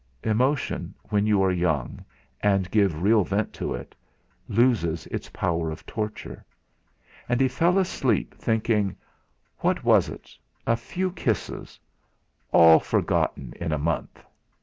Emotion, when you are young, and give real vent to it, loses its power of torture. And he fell asleep, thinking: 'What was it a few kisses all forgotten in a month!'